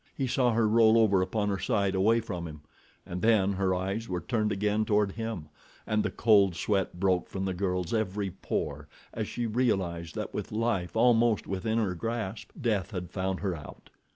He saw her roll over upon her side away from him, and then her eyes were turned again toward him, and the cold sweat broke from the girl's every pore as she realized that with life almost within her grasp, death had found her out.